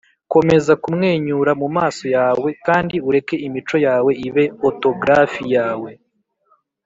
komeza kumwenyura mumaso yawe kandi ureke imico yawe ibe autografi yawe.